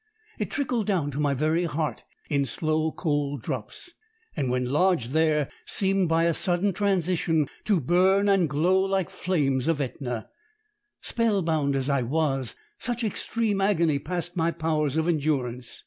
It trickled down to my very heart in slow, cold drops, and when lodged there seemed, by a sudden transition, to burn and glow like flames of Etna; spellbound as I was, such extreme agony passed my powers of endurance.